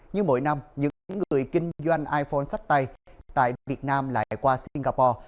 như mỗi năm những người kinh doanh iphone sắp tay tại việt nam lại qua singapore